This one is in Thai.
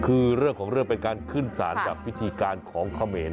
คือเรื่องของเรื่องเป็นการขึ้นสารแบบพิธีการของเขมร